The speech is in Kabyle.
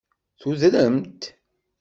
Tudrem-d.